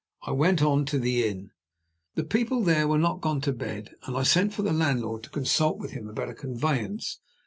I went on to the inn. The people there were not gone to bed; and I sent for the landlord to consult with him about a conveyance.